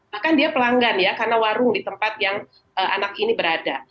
bahkan dia pelanggan ya karena warung di tempat yang anak ini berada